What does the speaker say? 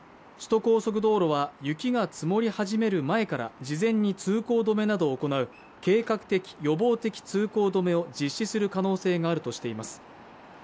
首都高速道路は雪が積もり始める前から事前に通行止めなどを行う計画的・予防的通行止めを実施する可能性があるとしています